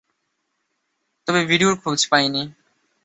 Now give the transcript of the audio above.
তবে ভিডিওর খোঁজ পাই নি।